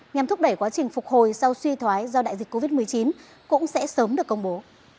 nhằm thúc đẩy quá trình phục hồi sau suy thoái do đại dịch covid một mươi chín cũng sẽ sớm được công bố